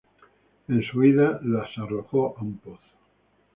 En su huida, las arrojó a un pozo.